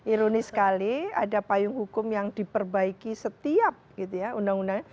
ironis sekali ada payung hukum yang diperbaiki setiap gitu ya undang undangnya